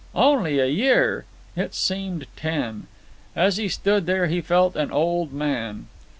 Only a year! It seemed ten. As he stood there he felt an old man.